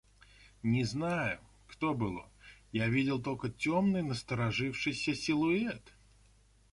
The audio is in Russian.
Не знаю, кто был он: я видел только темный насторожившийся силуэт.